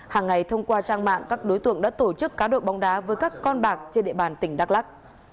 hàng ngày thông qua trang mạng các đối tượng đã tổ chức cá độ bóng đá với các con bạc trên địa bàn tỉnh đắk lắc